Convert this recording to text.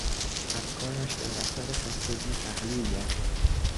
افکارش در اثر خستگی تحلیل رفت.